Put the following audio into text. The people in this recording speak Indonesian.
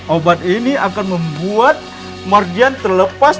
obat ini akan membuat mardian terlepas